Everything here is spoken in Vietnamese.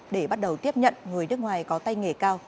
để bắt đầu tiếp nhận người nước ngoài có tay nghề cao